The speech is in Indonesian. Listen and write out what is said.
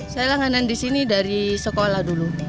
saya langganan disini dari sekolah dulu